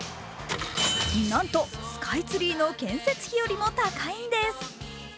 なんとスカイツリーの建設費よりも高いんです。